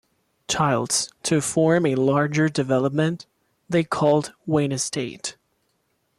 Childs, to form a larger development they called Wayne Estate.